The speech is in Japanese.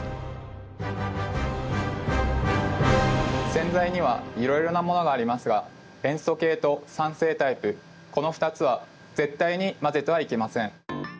洗剤にはいろいろなものがありますが塩素系と酸性タイプこの２つは絶対にまぜてはいけません。